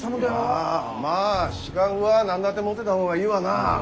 まあ資格は何だって持ってだ方がいいわな。